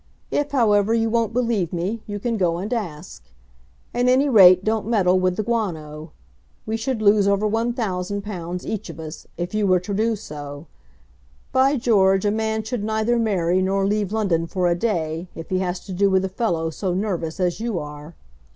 If, however, you won't believe me, you can go and ask. At any rate, don't meddle with the guano. We should lose over £1000 each of us, if you were to do so. By George, a man should neither marry, nor leave London for a day, if he has to do with a fellow so nervous as you are.